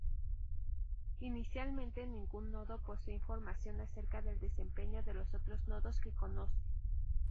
Inicialmente ningún nodo posee información acerca del desempeño de los otros nodos que conoce.